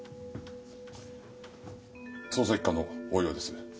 捜査一課の大岩です。